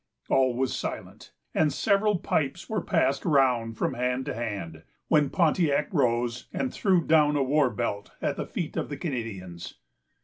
All was silent, and several pipes were passing round from hand to hand, when Pontiac rose, and threw down a war belt at the feet of the Canadians.